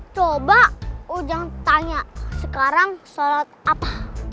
coba ujang tanya sekarang sholat apa